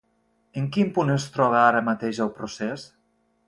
En quin punt es troba ara mateix el procés?